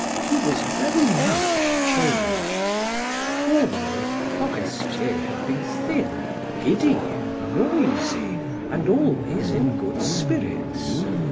He was very much changed. Formerly Forestier had been thin, giddy, noisy, and always in good spirits.